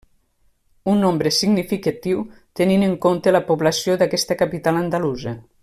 Un nombre significatiu tenint en compte la població d'aquesta capital andalusa.